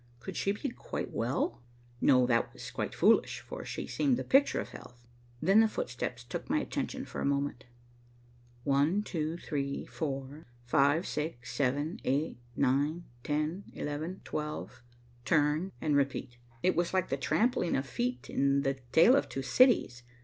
Could she be quite well? No, that was quite foolish, for she seemed the picture of health. Then the footsteps took my attention for a moment, one, two, three, four, five, six, seven, eight, nine, ten, eleven, twelve, turn, and repeat. It was like the trampling of feet in the "Tale of Two Cities."